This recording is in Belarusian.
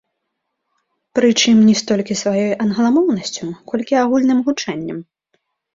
Прычым не столькі сваёй англамоўнасцю, колькі агульным гучаннем.